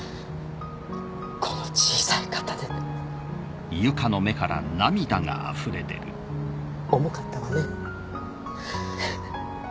この小さい肩で重かったわね